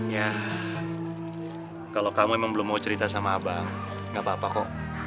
ya kalau kamu memang belum mau cerita sama abang nggak apa apa kok